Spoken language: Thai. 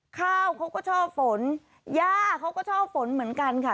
ข้าวเขาก็ชอบฝนย่าเขาก็ชอบฝนเหมือนกันค่ะ